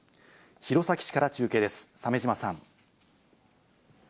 弘前市から中継です、鮫島さん。